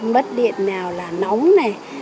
mất điện nào là nóng này